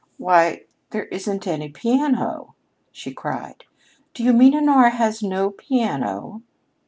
"Why, there isn't any piano!" she cried. "Do you mean Honora has no piano?"